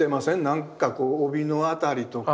なんかこう帯の辺りとか。